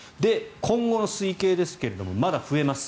今後の推計ですがまだ増えます。